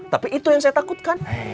tapi itu yang saya takutkan